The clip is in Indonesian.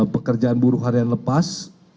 pekerjaan buruh harian lepas